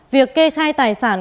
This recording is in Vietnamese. việc kê khai tài sản